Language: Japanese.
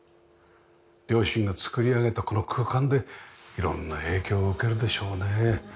両親が作り上げたこの空間で色んな影響を受けるでしょうね。